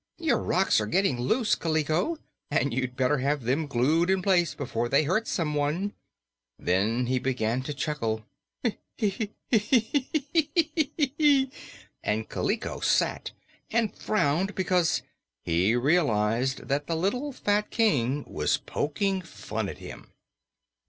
"Your rocks are getting loose, Kaliko, and you'd better have them glued in place before they hurt someone." Then he began to chuckle: "Hoo, hoo, hoo hee, hee heek, keek, eek!" and Kaliko sat and frowned because he realized that the little fat King was poking fun at him.